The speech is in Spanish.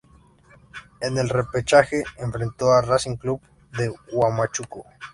En el repechaje enfrentó a Racing Club de Huamachuco.